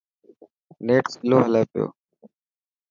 نيٽ سلو هلي پيو.